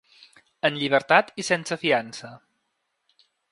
En llibertat i sense fiança.